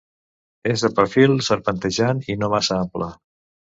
És de perfil serpentejant i no massa ample.